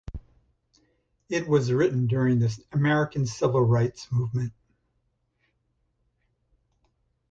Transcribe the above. It was written during the American Civil Rights Movement.